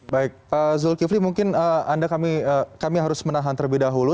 baik pak zulkifli mungkin kami harus menahan terlebih dahulu